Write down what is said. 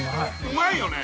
うまいよね。